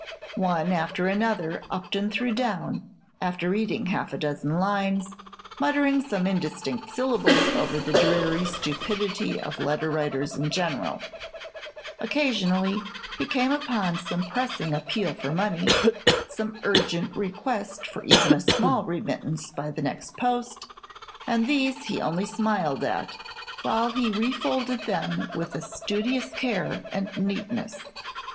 One after another Upton threw down, after reading half a dozen lines, muttering some indistinct syllables over the dreary stupidity of letter writers in general. Occasionally he came upon some pressing appeal for money, some urgent request for even a small remittance by the next post; and these he only smiled at, while he refolded them with a studious care and neatness.